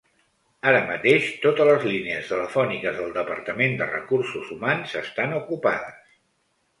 Ara mateix totes les línies telefòniques del departament de recursos humans estan ocupades.